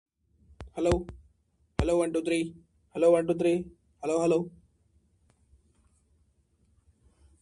Its motto is The Little Town Too Big for One State.